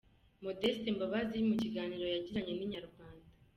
Modeste Mbabazi mu kiganiro yagiranye na Inyarwanda.